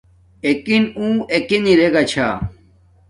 اݵکِن اُݸ اݵکِن رݵگݳ چھݳ.